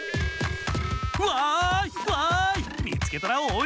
わいわい！